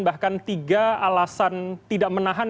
bahkan tiga alasan tidak menahan